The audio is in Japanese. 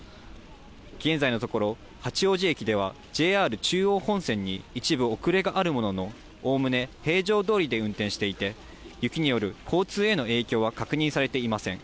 現在のところ、八王子駅では、ＪＲ中央本線に一部遅れがあるものの、おおむね平常どおりで運転していて、雪による交通への影響は確認されていません。